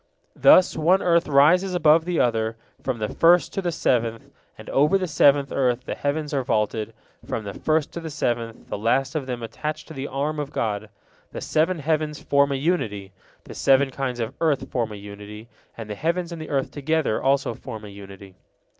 Thus one earth rises above the other, from the first to the seventh, and over the seventh earth the heavens are vaulted, from the first to the seventh, the last of them attached to the arm of God. The seven heavens form a unity, the seven kinds of earth form a unity, and the heavens and the earth together also form a unity.